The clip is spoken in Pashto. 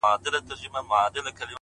مـــــه كـــــوه او مـــه اشـــنـــا!